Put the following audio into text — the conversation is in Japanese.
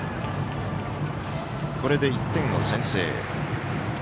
これで１点を先制。